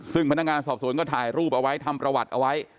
ซึ่งพนักงานสอบสวนก็ถ่ายรูปเอาไว้ทำประวัติเอาไว้